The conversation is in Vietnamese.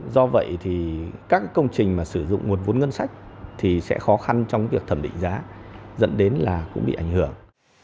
do vậy thì các công trình mà sử dụng nguồn vốn ngân sách thì sẽ khó khăn trong việc thẩm định giá dẫn đến là cũng bị ảnh hưởng